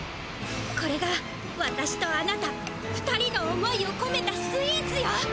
これがわたしとあなた２人の思いをこめたスイーツよ！